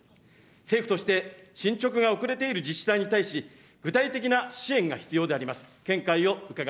政府として進捗が遅れている自治体に対し、具体的な支援が必要であります。